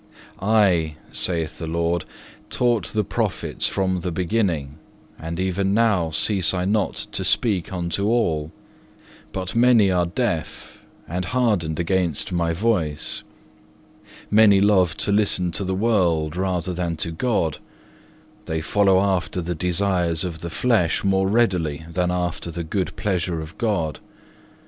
3. "I," saith the Lord, "taught the prophets from the beginning, and even now cease I not to speak unto all; but many are deaf and hardened against My voice; many love to listen to the world rather than to God, they follow after the desires of the flesh more readily than after the good pleasure of God.